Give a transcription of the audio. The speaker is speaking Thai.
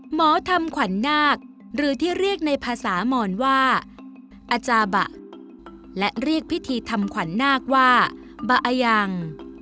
หมอทำขวัญนาคหรือที่เรียกในภาษาหมอนว่าอาจาบะและเรียกพิธีทำขวัญนาคว่าบะอายัง